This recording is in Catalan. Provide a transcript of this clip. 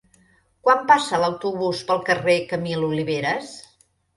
Quan passa l'autobús pel carrer Camil Oliveras?